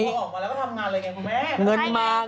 ก็พอออกมาแล้วก็ทำงานเลยไงคุณแม่